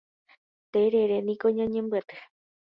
Tereréniko ñanembyaty